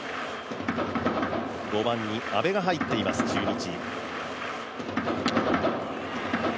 ５番に阿部が入っています、中日。